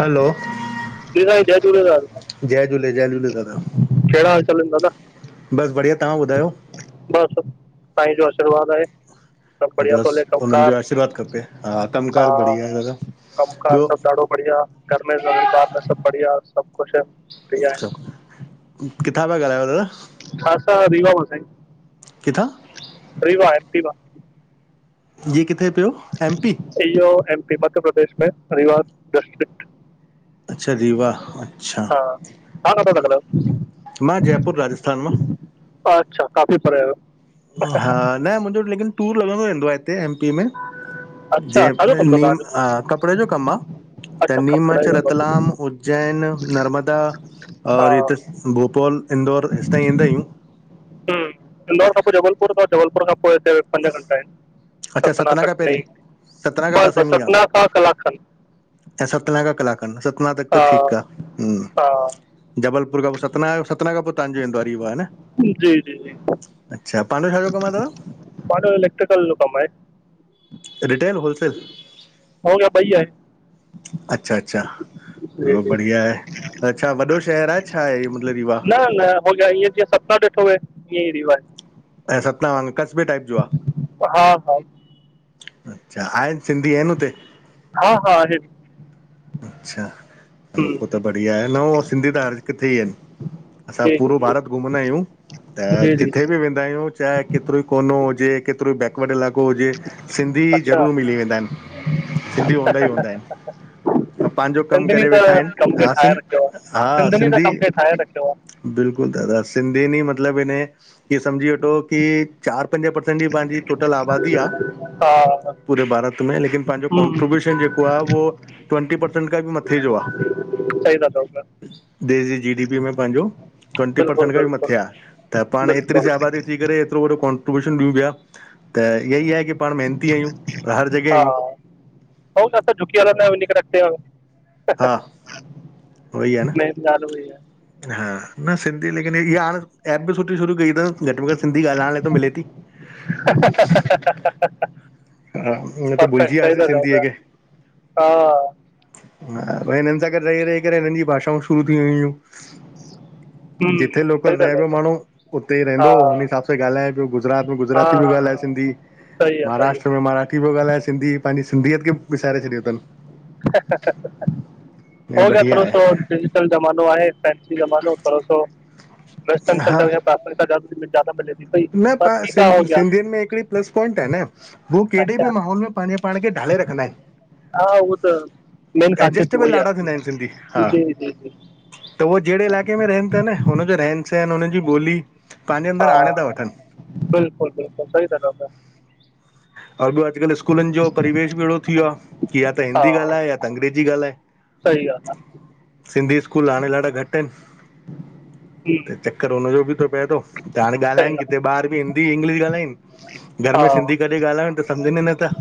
हलो जी साईं जय झूलेलाल जय झूले जय झूले दादा। केढ़ा हाल चाल एन, दादा! बस बढ़िया, तव्हां ॿुधायो? बस, साईंअ जो आशीर्वाद आहे। सभु बढ़िया थो बस हले उन्हन जो कमकार आशीर्वाद खपे, हा, कमकार बढ़िया आहे दादा। कम कार ॿियो सभ ॾाढो बढ़िया, घर में ॿार सभ बढिया, सभ खुश एन। किथां प्या ॻाल्हायो दादा? हा असां रीवा मूं साईं। किथां? रीवा, एम, पी मां। जी, किथे प्यो एम, पी? ईहो, एम, पी, मध्य प्रदेश में रीवा डिस्ट्रिक्ट। अच्छा, रीवा अच्छा। हा, तां किथां ता ॻाल्हायो? मां, जयपुर राजस्थान मां। अच्छा, काफ़ी परे आयो। हा न, मुंजो लेकिन टूर लॻंदो रहंदो आहे हिते एम, पी में। अच्छा छा जो जेप्रेल कमु अथव मीन? अ तव्हांजो कपड़े जो कम आ। अच्छा तॾी मां कपिड़े चयो, जो कमु रतलाम, अथव उज्जैन, नर्मदा हा और हित हम्म, असां, भोपाल, इंदौर हेसतांईं ईंदायूं। हूं, इंदौर खां पो जबलपुर थव, जबलपुर खां पोइ हिते पंज घंटा एन। अच्छा सतना, खां पहिरीं कटनी बस बस, सतना खां कलाक खन। अच्छा, सतना खां कलाकखन, सतना तक हा त ठीक आ, हा हूं जबलपुर खां पो सतना आयो, सतना खां पो तहांजो ईंदो आ रीवा न? जी जी जी अच्छा, पांजो छाजो कम आ दादा? पांजो इलेक्ट्रिकल जो कम आहे। Retail wholesale? हो, ॿई आहिन। अच्छा अच्छा जी हलो जी बढ़िया आहे, त छा वॾो शहर आ छा, छाहे मतलब रीवा? न न, हो ईअं जीअं सतना ॾिठो वे, ईअंईं रीवा आहे। अछा, सतना वांगे, कस्बे टाइप जो आ? हा हा अच्छा, आहिन सिंधी आहिन हुते? हा, दादा आहिन। अच्छा, हलो हम्म, पो त बढ़िया आहे, न हो सिंधी त हर किथे ई इन। असां जी जी पूरो भारत घुमंदायूं, त जी जी जिथे जी बि वेंदायूं चाहे केतरो ई कोनो हुजे, केतरो ही बै वड इलाक़ो हुजे, सिंधी अच्छा ज़रूर मिली वेंदा एन, सिंधी हूंदा ई हूंदा एन। [inaudible] सिंधिन ई त आहिनि कम खे हा ठाहे सिं रखयो आ, सिंधिंन ई त कम खे ठाहे रखयो आ। बिल्कुल दादा, सिंधिन ई मतलब इने, इीअ समझी वठो की चार, पंज परर्सेंट जी पांजी टोटल आबादी आ। हा पूरे भारत में, लेकिन पंहिंजो हम्म, कॉन्ट्रीब्यूशन जेको आ उहो ट्वंटी परसेंट खां बि मथे जो आहे सही था चौ प्या। देश जी, जी, डी, पी, ई में पांजो, ट्वंटी बिल्कुलु परसेंट खां बि मथे आ, बिल्कुलु त पाण एतरी सी बिल्कुलु आबादी थी करे एतिरो वॾो कॉन्ट्रीब्यूशन ॾियूं पिया, त इअ ई आहे की पाण मेहिनती आहियूं, हर जॻहि आहियूं। हो त असां झुकी करे हलंदा आहियु, इन्हीं करें अगते आहियूं हा, उहो ई आ न मेन ॻाल्हि उहा ई आहे हा, न सिंधी लेकिन इहा हाणे ऐ एप बि सुठी शुरू कई अथि, घटि में घटि सिंधी ॻाल्हाइण लाइ त मिले थी। हहहह हा, न त भुलजी वियासीं सिंधीअ पिया खे। हा हा भई! हिननि सां गॾु रही -रही करे हिननि जी भाषाऊं शुरू थी वई हुयूं। [unintelligible] हम्म जिथे लोकल सही था रहे चओ पियो पिया माण्हू उते ई हा रहंदो, हुनि हिसाब सां ॻाल्हाए पियो, गुजरात में हा गुजराती पियो हा हा ॻाल्हाए सिंधी सही आ, सही आ महाराष्ट्र मराठी पियो ॻाल्हाए सिंधी, पंहिंजी सिंधीयत खे विसारे छॾियो थनि। हो ऐं गया बढ़िया रो सो आहे [inaudible] डिजिटल ज़मानो आहे, फैंसी ज़मानो थोरो सो, वैस्टर्न हा कल्चर खे प्राथमिकता ज्यादा जयादा मिले थी पई न पर प, ठीकु आहे हो सि गया सिंधियुनि में हिकिड़ी प्लस पाइंट आहे न हू कहिड़े अच्छा बि माहौल में पंहिंजे पाण खे ढाले रखंदा आहिनि। हा उह त, मेन ख़ासियत एडजस्टेबल उहोयी आ, ॾाढा थींदा आहिनि सिंधी जी हा जी जी। त उहे जहिड़े इलाइक़े में रहनि था न, हुनज जो रहन -सहन, हुननि जी ॿोली, पंहिंजे हा अंदरि आणे था वठनि। बिल्कुलु -बिल्कुलु सही था ॻलायो आऊं ॿियो अॼुकल्ह स्कूलनि जो परिवेश बि अहिड़ो थी वियो आ। कि या त हिंदी हा ॻाल्हाए, या त अंग्रेजी ॻाल्हाए। सही ॻाल्हि आहे सिंधी स्कूल हाणे ॾाढा घटि आहिनि। जी त चक्कर हुनजो बि थो पए थो, त हाणे सही ॻाल्हाइनि ॻाल्हि किथे ॿार बि हिंदी, इंग्लिश ॻाल्हाइनि घर में आहे सिंधी हा कॾहिं ॻाल्हायूं त सम्झनि नथा।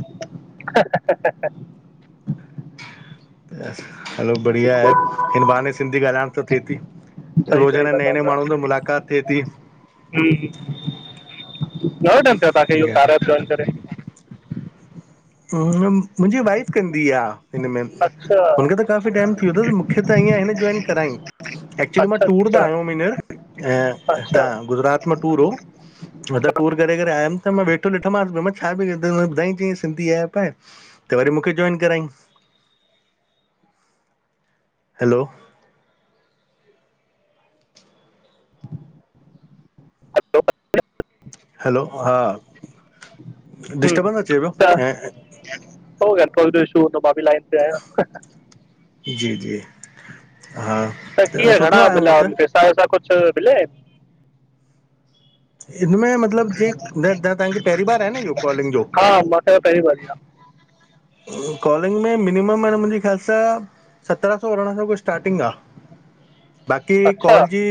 [inaudible] हलो बढिया आहे, हिन बहाने सिंधी ॻाल्हाइण त थिए थी। सई सई रोज़ाना था नए चऔ, नए माण्हुनि सां सही मुलाक़ात थिए थी हम्म। घणों टाइम थियो आ तव्हांखे इहो कारया ऐप ज्वाइन करे? मुंहिंजी वाइफ कंदी आ। हिन में, अच्छा हुनखे त काफ़ी टाइम थी वियो तस, मूंखे त ईअ हिन जोइन करायई। एक्चुली मां अच्छा टूर त अच्छा आयो हुयमि हींअर, ऐं अच्छा हिता गुजरात में टूर हो, मां त टूर करे करे आयमि त मां वेठो ॾिठोमास, मां चयो छा पई करीब? त हुन बुधायई चयईं सिंधी एप आहे त वरी मूंखे जॉइन कराई। हैलो, हलो हैलो हा हम्म डिस्टबंस अचे पियो त ऐं हो नेटवर्क जो ईशू हो, मा बि लाइन ते आहियां जी जी। हा, त कीअं घणा सुठो आये हुअं मिलिया त पैसा कुछ मिला? हिनमे मतलब जे, त्हांखे पहिरीं बार आहे न इहो कॉलिंग जो? हा मूंखे पहिरीं भरी आहे कॉलिंग में मिनिमम म मुंहिंजी ख्याल सां सत्रह सौ अरढा सौ जो स्टार्टिंग आ। बाक़ी अच्छा कॉल जी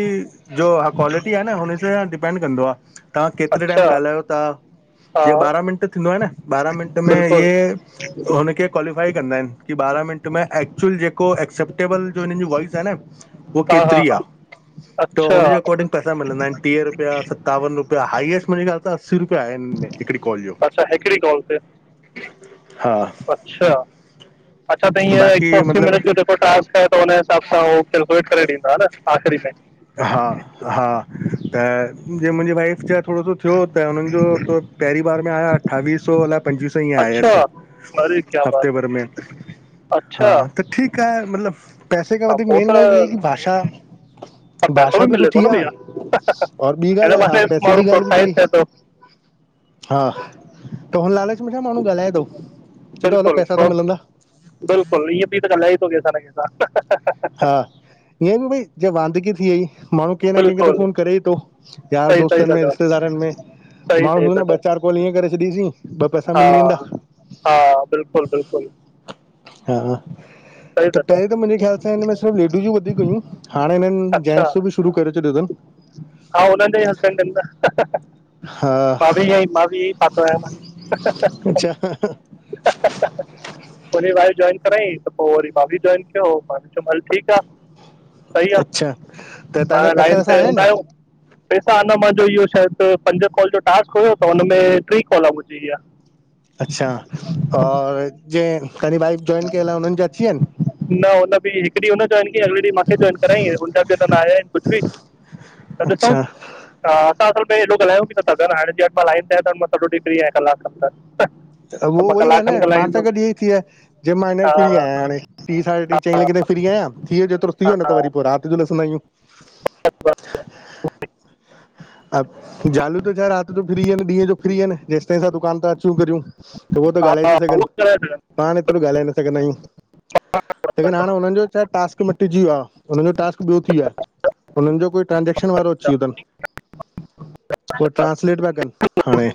जो क्वालिटी हुन सां डि डिपेंड कंदो आहे तव्हां केतिरे अच्छा टाइम ॻाल्हायो ता हा जीअ ॿारहां मिंट थींदो आहे न ॿारहां मिनंट में हे बिल्कुलु हुनखे क्वालीफाइ कन्दाइन कि ॿारा मिंट में एक्चुअल जेको एसेप्टेबल जो हिनन जो वॉइस आहे न उहा हा हा केतिरी हा आहे त अच्छा हुनजे अकॉर्डिंग पैसा मिलंदा आहिनि टीह रुपिया सतावन रुपया हाईएस्ट मुंहिंजे ख्याल सां असी रुपया आ हिन में हिकिड़ी कॉल जो, अच्छा हिकिड़ी कॉल ते हा अच्छा, अच्छा त हीय हिकु बाक़ी सौ असी मतिलबु मिनट जो जेको टास्क आहे त हुन हिसाब सां उहो केलकुलेट करे ॾींदा हा न आख़िरी में हा हा, त जिय मुंहिंजी वाइफ छा थोरो सो थियो त हुननि जो त पहिरीं बार में आया अठावीह सौ अलाइ पंजवीह सौ ईंय अच्छा आयसि अरे क्या बात हफ़्ते भर में है, अच्छा हा त ठीकु आहे मतिलब पैसे खां वधीक सपोस मेन ॻाल इहा आहे की पर भाषा पैसो भाषा बि मिले थो सुठी न आ भैया और ॿी हिन ॻाल्हि हा बहाने पैसे माण्हू जी ॻाल्हि बि प्रोत्साहित थी थिए थो हा, त हुन लालच में छा माण्हू ॻाल्हाए थो, चए तो हलो पैसा त मिलंदा। बिल्कुल ईअं बि त ॻालाए ई थो केसां न केसां हा, ईअं बि भई जेअ वांदगी थी वई माण्हू कंहिं न कंहिंखे त बिल्कुलु फोन करे ई थो यार दोस्तनि में रिश्तेदारनि में सई सई ता चओ कोल इएंं करे छॾीसीं ॿ पैसा हा, मिली वेंदा हा बिल्कुल बिल्कुल हा, त था चओ पहिरी त मुंहिंजे ख़्याल सां हिनमें सिर्फ लेडिजूं वधीक हूयूं हाणे हिननि अच्छा जेंट्स बि शुरू करे छॾियो तन हा, उनन जे ई हसबैंडन न हा माव आ माव प [inaudible] अ [inaudible] पो उनजी वाईफ जॉइन कराई त पो वरी मां बि जॉइन कयो मां बि चयुम हल ठीकु आ सही आ, अच्छा त पाण तव्हांजा पैसा लाइन वैसा ते आया हूंदा आहिनि आहियूं पैसा अना मुंहिंजो इहो शायदि पंज कॉल जो टास्क हुयो त हुन में टी कॉल मुंहिंजी ईया अच्छा और जे कनी ब [inaudible] जोइंन कयल आ उनन जा अची वियान? न हुन बि हिकु ॾींहुं उन जोइंन कयई अॻले ॾीहुं मूंखे जोइंन करायई हुन बि न आया आहिनि कुझु बि अच्छा ह असां आसल में हेॾो ॻाल्हायूं बि नथा हाणे जे तहा मां लाइन ते आहियो त मां सॼो ॾींहु फ्री आहिया कलाक खन त त उहो मां उह ई आहे् न कलाकनि पाण सां गॾु ॻाल्हाईंदुमि इ ई थी वियो जे मां हियर हा फिरी आहियां हाणे टीं साढे टे चईं लॻे ताई फ्री आहियां थीयो जेतिरो थीयो न त वरी पो रात जो ॾिसन्दा आहियूं। ब ब - - [inaudible] हा, जालियूं त छाहे रात जो फ्री आहिन ॾींहं जो फ्री आहिन जेसिताईं असां दुकान ता अचूं करियूं त उहो त ॻाल्हाए हा थी सघनि उहो कराए सघंदुमि पाण एतिरो ॻाल्हाए न सघंदा आहियूं। लेकिन हाणे हुनन जो छाहे टास्क मिटजी वियो आ हुननि जो टास्क ॿियो थी वियो आ हुनन जो कोई ट्रांसेक्शन वारो अची वियो अथन उह ट्रस - - स्लेट पया कन हाणे